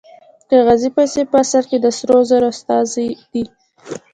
کاغذي پیسې په اصل کې د سرو زرو استازي دي